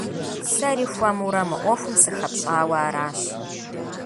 Сэри хуэмурэ мы Ӏуэхум сыхэпщӀауэ аращ.